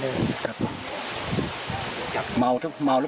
ใช่หนักตอนนี้ก็ยังไม่ทำมันเลย